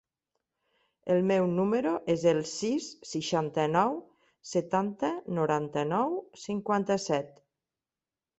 El meu número es el sis, seixanta-nou, setanta, noranta-nou, cinquanta-set.